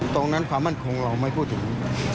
ตรงนั้นความสงคระคงเราไม่พูดถึง